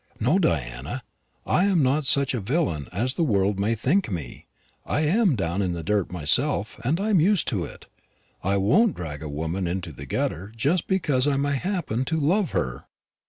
No, Diana, I am not such a villain as the world may think me. I am down in the dirt myself, and I'm used to it. I won't drag a woman into the gutter just because I may happen to love her."